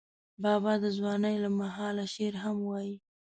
بابا د ځوانۍ له مهاله شعر هم وایه.